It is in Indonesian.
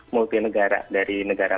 multi negara dari negara